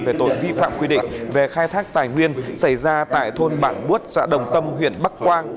về tội vi phạm quy định về khai thác tài nguyên xảy ra tại thôn bản bút xã đồng tâm huyện bắc quang